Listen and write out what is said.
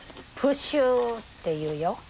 プシュって言うよ。